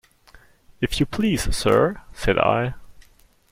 "If you please, sir," said I.